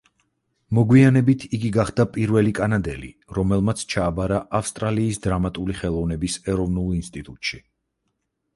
მოგვიანებით იგი გახდა პირველი კანადელი, რომელმაც ჩააბარა ავსტრალიის დრამატული ხელოვნების ეროვნულ ინსტიტუტში.